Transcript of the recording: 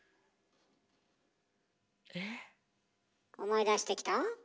思い出してきた？